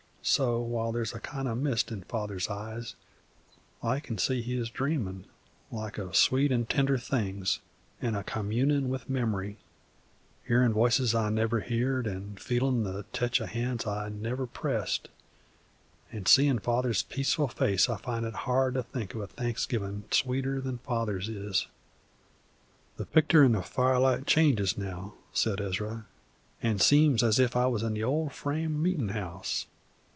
So, while there is a kind o' mist in Father's eyes, I can see he is dreamin' like of sweet an' tender things, and a com munin' with memory, hearin' voices I never heard an' feelin' the tech of hands I never pressed; an' seein' Father's peaceful face I find it hard to think of a Thanksgivin' sweeter than Father's is. "The pictur' in the firelight changes now," said Ezra, "an' seems as if I wuz in the old frame meetin' house.